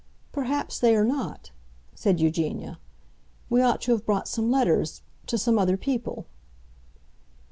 "Perhaps they are not," said Eugenia. "We ought to have brought some letters—to some other people."